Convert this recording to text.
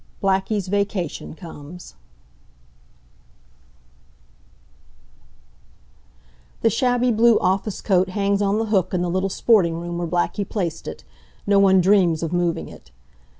BLACKIE'S VACATION COMES The shabby blue office coat hangs on the hook in the little sporting room where Blackie placed it. No one dreams of moving it.